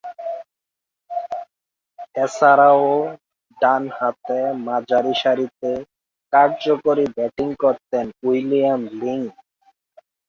এছাড়াও, ডানহাতে মাঝারিসারিতে কার্যকরী ব্যাটিং করতেন উইলিয়াম লিং।